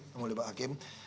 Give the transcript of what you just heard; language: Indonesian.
yang mulia pak hakim